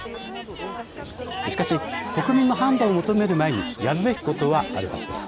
しかし国民の判断を求める前にやるべきことはあるはずです。